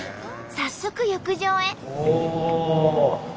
早速浴場へ。